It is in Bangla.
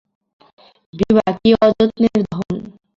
বিভা কি অযত্নের ধন!